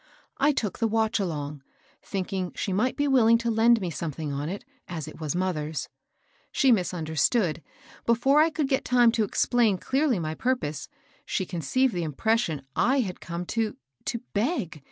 I took the watch along, thinking she might be willing to lend me some thing on it, as it was mother's. She misunder , stood ; before I could get time to explain clearly my purpose, she conceived the impression I had come to — to beg.